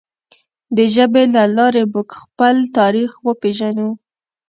د ژبې له لارې موږ خپل تاریخ وپیژنو.